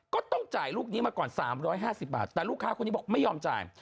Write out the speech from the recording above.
ก็ต้องจ่ายลูกนี้มาก่อน๓๕๐บาทแต่ลูกค้าคนนี้บอกไม่ยอมจ่าย